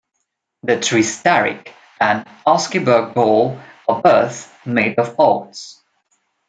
The "Trestarig" and "Usquebaugh-baul", are both made of Oats.